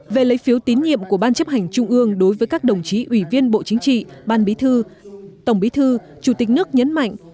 về lấy phiếu tín nhiệm của ban chấp hành trung ương đối với các đồng chí ủy viên bộ chính trị ban bí thư tổng bí thư chủ tịch nước nhấn mạnh